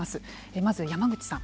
まず山口さん。